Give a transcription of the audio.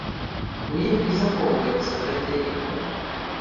У ім і захоўваецца гэтая ікона.